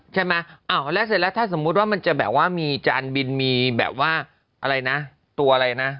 ใช่ไหมอ้าวแล้วเสร็จแล้วถ้าสมมุติว่ามันจะแบบว่ามีจานบินมีแบบว่าอะไรนะตัวอะไรนะ